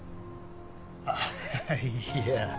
あっいや。